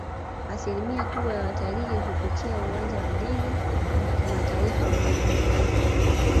Asilimia kubwa ya watalii hupitia uwanja wa Ndege wa kimataifa wa Mwalimu Nyerere